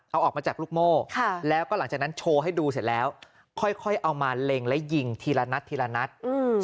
เอาออกมาจากลูกโม่แล้วก็หลังจากนั้นโชว์ให้ดูเสร็จแล้วค่อยเอามาเล็งและยิงทีละนัดทีละนัด